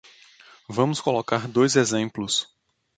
Vamos colocar dois exemplos.